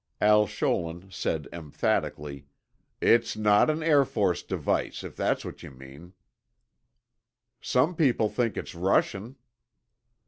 Al Scholin said emphatically, "It's not an Air Force device, if that's what you mean." "Some people think it's Russian."